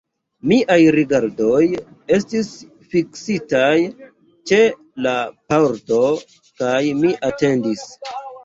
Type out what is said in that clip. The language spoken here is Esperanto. Miaj rigardoj estis fiksitaj ĉe la pordo, kaj mi atendis.